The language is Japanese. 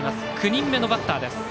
９人目のバッター。